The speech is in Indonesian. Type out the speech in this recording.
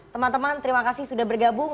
teman teman terima kasih sudah bergabung